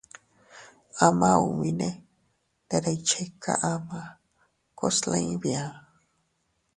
Ama ubine ndere iychika ama kuslin biaa.